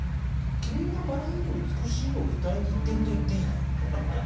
「君は薔薇より美しい」を歌いに行ってると言っていい。